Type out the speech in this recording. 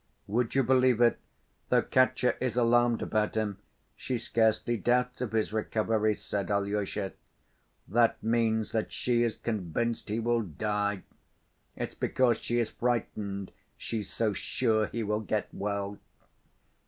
"Would you believe it, though Katya is alarmed about him, she scarcely doubts of his recovery," said Alyosha. "That means that she is convinced he will die. It's because she is frightened she's so sure he will get well."